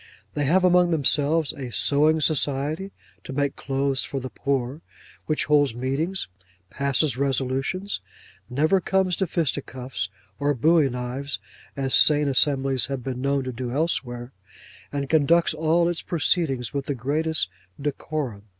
They have among themselves a sewing society to make clothes for the poor, which holds meetings, passes resolutions, never comes to fisty cuffs or bowie knives as sane assemblies have been known to do elsewhere; and conducts all its proceedings with the greatest decorum.